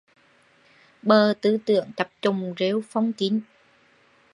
Bờ tư tưởng chập chùng rêu phong kín